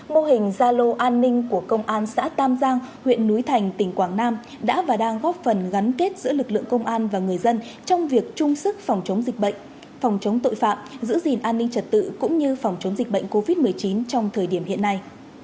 mô hình gia lô an ninh của công an xã tam giang huyện núi thành tỉnh quảng nam đã và đang góp phần gắn kết giữa lực lượng công an và người dân trong việc trung sức phòng chống dịch bệnh phòng chống tội phạm giữ gìn an ninh trật tự cũng như phòng chống dịch bệnh covid một mươi chín trong thời điểm hiện nay